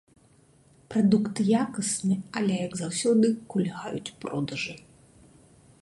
Прадукт якасны, але, як заўсёды, кульгаюць продажы.